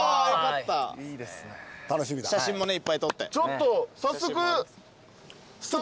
写真もねいっぱい撮って。